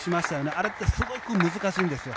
あれってすごく難しいんですよ。